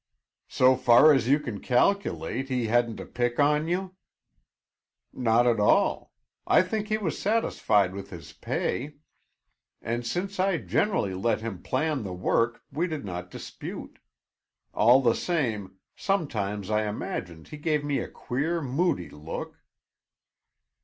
"So far as you can calculate, he hadn't a pick on you?" "Not at all. I think he was satisfied with his pay, and since I generally let him plan the work we did not dispute. All the same, sometimes I imagined he gave me a queer moody look."